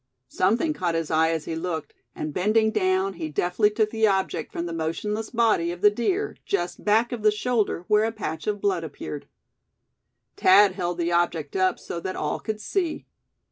Something caught his eye as he looked, and bending down he deftly took the object from the motionless body of the deer, just back of the shoulder, where a patch of blood appeared. Thad held the object up so that all could see.